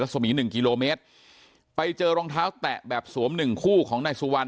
สมีหนึ่งกิโลเมตรไปเจอรองเท้าแตะแบบสวมหนึ่งคู่ของนายสุวรรณ